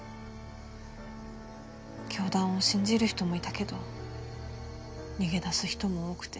教団を信じる人もいたけど逃げ出す人も多くて。